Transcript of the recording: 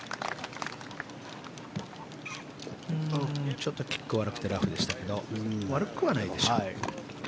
ちょっとキックが悪くてラフでしたけど悪くはないでしょう。